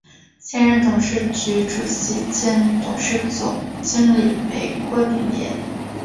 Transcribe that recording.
现任董事局主席兼董事总经理为郭炳联。